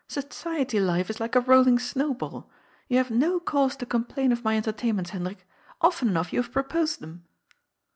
Society life is like a rolling snow ball. You have no cause to complain of my entertainments, Hendrik. Often enough you have proposed them."